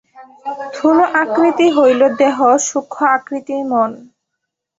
স্থূল আকৃতি হইল দেহ, সূক্ষ্ম আকৃতি মন।